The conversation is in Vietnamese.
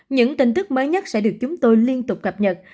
những tin tức mới nhất sẽ được chúng tôi liên tục cập nhật